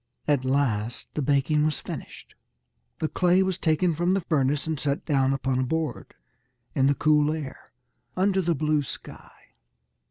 At last the baking was finished. The clay was taken from the furnace and set down upon a board, in the cool air, under the blue sky.